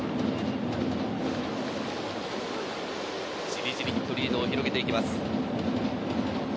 じりじりとリードを広げていきます。